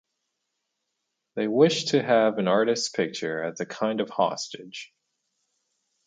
They wished to have the artist’s picture as a kind of hostage.